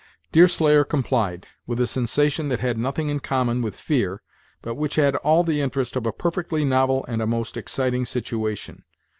Deerslayer complied, with a sensation that had nothing in common with fear, but which had all the interest of a perfectly novel and a most exciting situation.